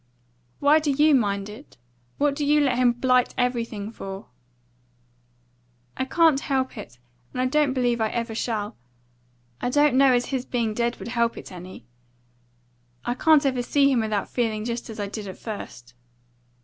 "Why do you mind it? What do you let him blight everything for?" "I can't help it, and I don't believe I ever shall. I don't know as his being dead would help it any. I can't ever see him without feeling just as I did at first."